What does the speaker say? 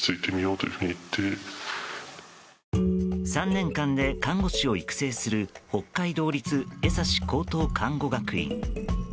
３年間で看護師を育成する北海道立江差高等看護学院。